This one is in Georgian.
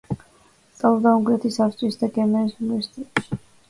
სწავლობდა უნგრეთის, ავსტრიისა და გერმანიის უნივერსიტეტებში.